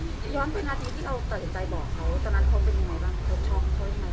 ย้อนเป็นอาทิตย์ที่เอาแต่ใจบอกเขาตอนนั้นเขาเป็นยังไงบ้างเขาชอบเขายังไง